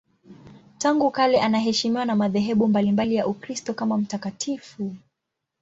Tangu kale anaheshimiwa na madhehebu mbalimbali ya Ukristo kama mtakatifu.